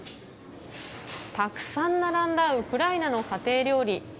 たくさん並んだウクライナの家庭料理。